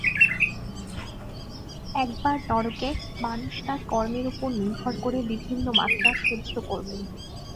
একবার নরকে, মানুষ তার কর্মের উপর নির্ভর করে বিভিন্ন মাত্রা সহ্য করবে।